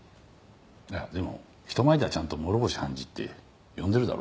でも人前ではちゃんと諸星判事って呼んでるだろ。